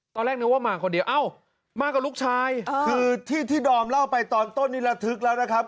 ตอนแรกนึกว่ามาคนเดียวเอ้ามากับลูกชายคือที่ที่ดอมเล่าไปตอนต้นนี้ระทึกแล้วนะครับ